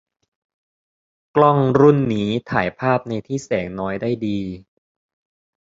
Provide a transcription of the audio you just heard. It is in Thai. กล้องรุ่นนี้ถ่ายภาพในที่แสงน้อยได้ดี